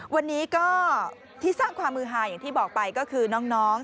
วันนี้ก็ที่สร้างความมือหาอย่างที่บอกไปก็คือน้อง